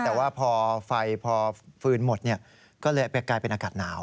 แต่ว่าพอไฟพอฟืนหมดก็เลยกลายเป็นอากาศหนาว